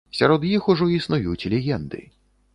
Сярод іх ужо існуюць легенды.